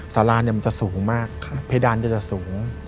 สาลาจะสูงมากเพดานจะสูง